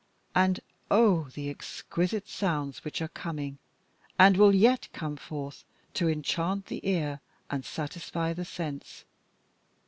And oh! the exquisite sounds which are coming, and will yet come forth to enchant the ear, and satisfy the sense.